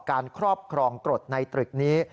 การครอบครองกรดนายตริกนี้